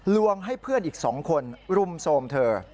ลวงให้เพื่อนอีก๒คนรุมโทรมเธอ